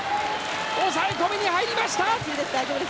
抑え込みに入りました！